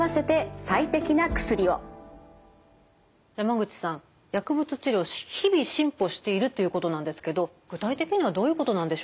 山口さん薬物治療日々進歩しているということなんですけど具体的にはどういうことなんでしょうか？